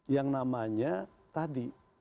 yang namanya tadi